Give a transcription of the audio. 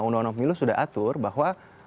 undang undang pemilu sudah atur bahwa